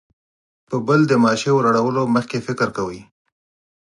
پر بل د ماشې وراړولو مخکې فکر کوي.